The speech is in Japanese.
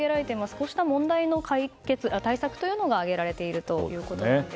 こうした問題の対策というのが挙げられているということです。